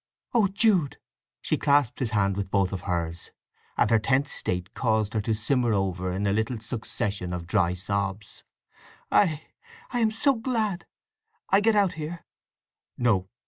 "Oh Jude!" She clasped his hand with both hers, and her tense state caused her to simmer over in a little succession of dry sobs. "I—I am so glad! I get out here?" "No.